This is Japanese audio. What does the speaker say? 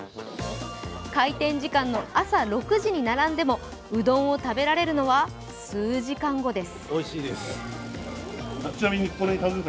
開店時間の朝６時に並んでもうどんを食べられるのは数時間後です。